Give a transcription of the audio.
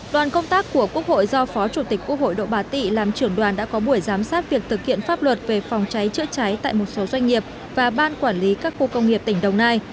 đoàn công tác của quốc hội do phó chủ tịch quốc hội độ bà tị làm trưởng đoàn đã có buổi giám sát việc thực hiện pháp luật về phòng cháy chữa cháy tại một số doanh nghiệp và ban quản lý các khu công nghiệp tỉnh đồng nai